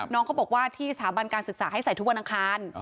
น้องเขาบอกว่าที่สถาบันการศึกษาให้ใส่ทุกวันอังคาร